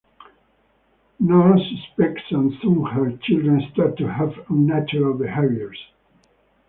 Nor suspects and soon her children start to have unnatural behaviours.